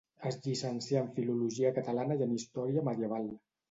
Es llicencià en filologia catalana i en història medieval.